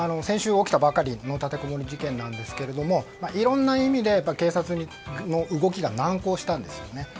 先週起きたばかりの立てこもり事件ですがいろんな意味で警察の動きが難航したんですよね。